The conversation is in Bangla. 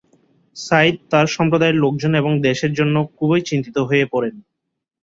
সাইদ তার সম্প্রদায়ের লোকজন এবং দেশের জন্য খুবই চিন্তিত হয়ে পড়েন।